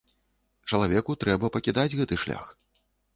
Чалавеку трэба пакідаць гэты шлях.